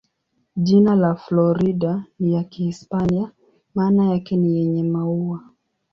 Jina la Florida ni ya Kihispania, maana yake ni "yenye maua".